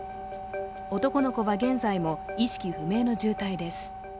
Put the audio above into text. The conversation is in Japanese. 男の子は現在も意識不明の重体です。